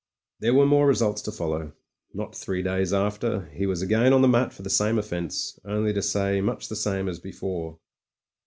There were more results to follow. Not three days after he was again upon the mat for the same offence, only to say much the same as before.